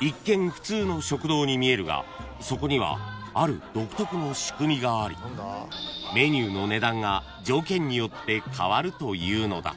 ［一見普通の食堂に見えるがそこにはある独特の仕組みがありメニューの値段が条件によって変わるというのだ］